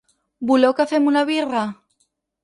Voleu que fem una birra?